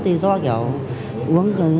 thì do kiểu uống